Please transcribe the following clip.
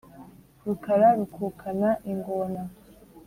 Rukara rukukana ingona